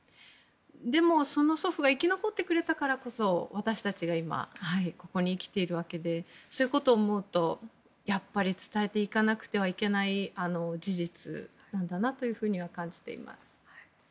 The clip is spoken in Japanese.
でも、その祖父が生き残ってくれたからこそ私たちが今、ここに来ているわけでそういうことを思うとやっぱり伝えていかなくてはいけない事実なんだなとは感じています。